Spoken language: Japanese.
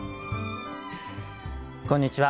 こんにちは。